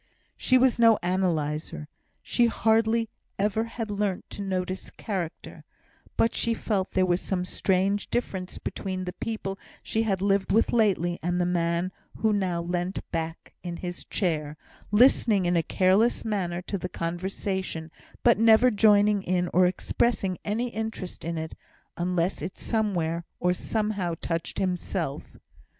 She was no analyser; she hardly even had learnt to notice character; but she felt there was some strange difference between the people she had lived with lately and the man who now leant back in his chair, listening in a careless manner to the conversation, but never joining in, or expressing any interest in it, unless it somewhere, or somehow, touched himself.